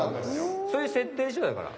そういう設定でしょ？だから。